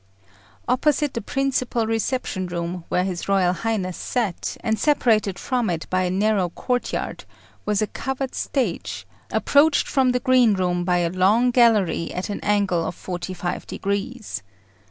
Opposite the principal reception room, where his Royal Highness sat, and separated from it by a narrow courtyard, was a covered stage, approached from the greenroom by a long gallery at an angle of forty five degrees.